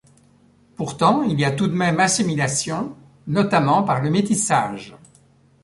Pourtant, il y a tout de même assimilation, notamment par le métissage.